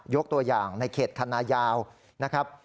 ยกตัวอย่างในเขตคันนายาวนะครับ